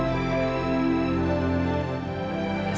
sekarang tinggal pemulihannya saja ibu